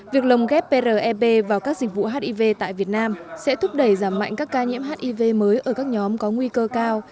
việc lồng ghép prep vào các dịch vụ hiv tại việt nam sẽ thúc đẩy giảm mạnh các ca nhiễm hiv mới ở các nhóm có nguy cơ cao